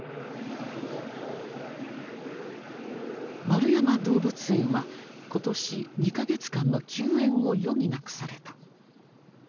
円山動物園は今年２か月間の休園を余儀なくされた。